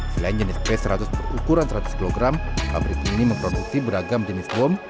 selain jenis p seratus berukuran seratus kg pabrik ini memproduksi beragam jenis bom